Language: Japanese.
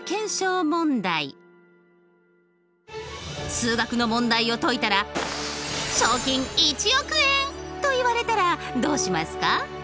数学の問題を解いたら賞金１億円！と言われたらどうしますか？